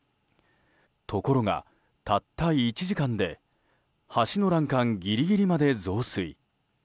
ところが、たった１時間で橋の欄干ギリギリまで増水。